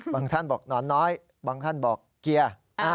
ท่านบอกหนอนน้อยบางท่านบอกเกียร์